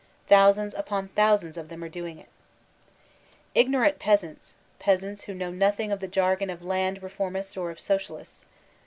Thousands upon thousands of them are doing it Ignorant peasants: peasants who know nothing about the jargon of land reformers or of Socialists.